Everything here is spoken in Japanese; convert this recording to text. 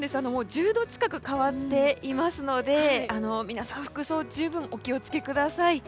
１０度近く変わっていますので皆さん、服装十分お気をつけください。